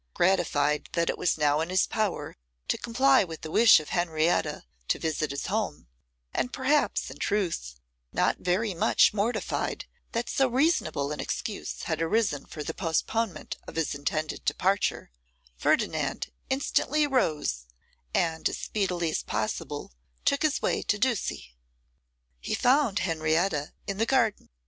Gratified that it was now in his power to comply with the wish of Henrietta to visit his home, and perhaps, in truth, not very much mortified that so reasonable an excuse had arisen for the postponement of his intended departure, Ferdinand instantly rose, and as speedily as possible took his way to Ducie. He found Henrietta in the garden.